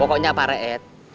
pokoknya pak raya